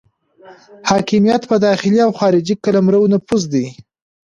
حاکمیت په داخلي او خارجي قلمرو نفوذ دی.